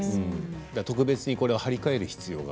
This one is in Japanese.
特別に張り替える必要が。